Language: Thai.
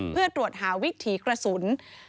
เพื่อตรวจหาวิถีกระสุน